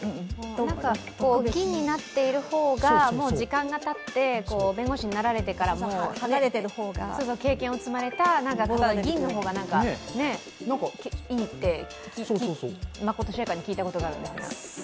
金になっている方が時間がたって弁護士になられてから経験を積まれた、銀の方がいいとまことしやかに聞いたことがあるんですが。